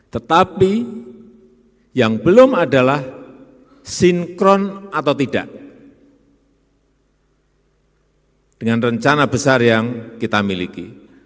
tetapi yang belum adalah sinkron atau tidak dengan rencana besar yang kita miliki